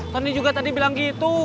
tony juga tadi bilang gitu